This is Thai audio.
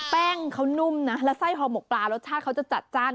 แป้งเขานุ่มนะแล้วไส้ห่อหมกปลารสชาติเขาจะจัดจ้าน